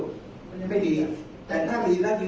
แต่ว่าไม่มีปรากฏว่าถ้าเกิดคนให้ยาที่๓๑